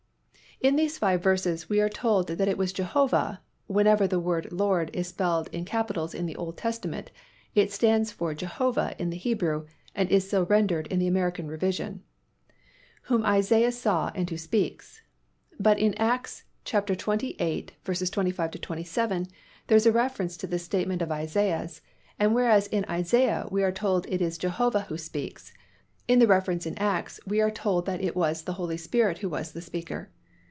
In verse five we are told that it was Jehovah (whenever the word LORD is spelled in capitals in the Old Testament, it stands for Jehovah in the Hebrew and is so rendered in the American Revision) whom Isaiah saw and who speaks. But in Acts xxviii. 25 27 there is a reference to this statement of Isaiah's and whereas in Isaiah we are told it is Jehovah who speaks, in the reference in Acts we are told that it was the Holy Spirit who was the speaker.